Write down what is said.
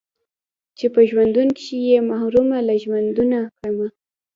چې په ژوندون کښې يې محرومه له ژوندونه کړمه